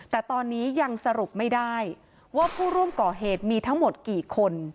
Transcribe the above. แต่ตอนนี้ยังสรุปไม่ได้ว่าผู้ร่วมก่อเหตุมีทั้งหมดกี่คน